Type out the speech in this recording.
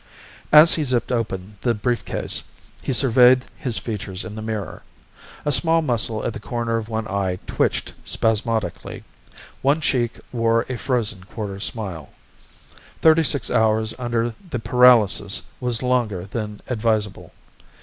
As he zipped open the briefcase he surveyed his features in the mirror. A small muscle at the corner of one eye twitched spasmodically. One cheek wore a frozen quarter smile. Thirty six hours under the paralysis was longer than advisable.